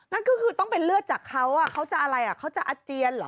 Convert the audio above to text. นั่นก็คือต้องเป็นเลือดจากเขาเขาจะอะไรเขาจะอาเจียนเหรอ